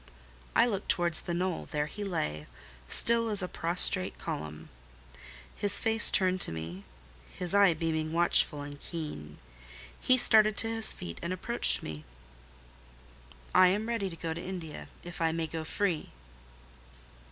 I looked towards the knoll: there he lay, still as a prostrate column; his face turned to me: his eye beaming watchful and keen. He started to his feet and approached me. "I am ready to go to India, if I may go free."